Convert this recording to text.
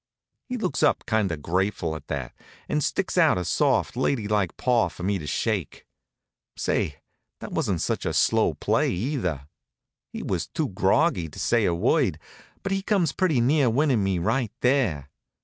He looks up kind of grateful at that, and sticks out a soft, lady like paw for me to shake. Say, that wasn't such a slow play, either! He was too groggy to say a word, but he comes pretty near winnin' me right there.